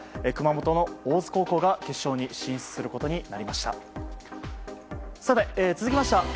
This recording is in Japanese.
熊本の大津高校が決勝に進出することになりました。